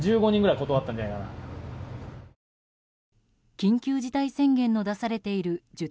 緊急事態宣言の出されている１０